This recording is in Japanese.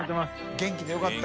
元気でよかった。